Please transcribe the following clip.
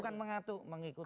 bukan mengatu mengikuti